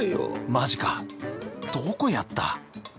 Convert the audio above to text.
マジかどこやった？